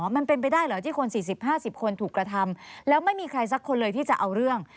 มันเป็นไปได้เหรอที่คน๔๐๕๐คนถูกกระทำแล้วไม่มีใครสักคนเลยที่จะเอาเรื่อง